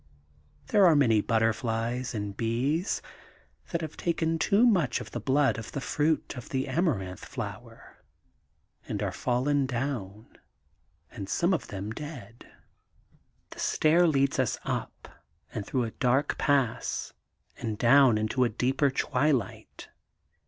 There are many butterflies and bees that have taken too much of the blood of the fruit of the Amaranth Flower and are fallen down and some of them dead. 826 THE GOLDEN BOOK OF SPRINGFIELD The stair leads us np and through a dark pass and down into a deeper twilight.